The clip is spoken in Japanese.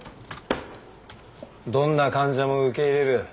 どんな患者も受け入れる。